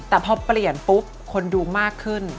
แต่พอเปลี่ยนปุ๊บคนดูมากขึ้น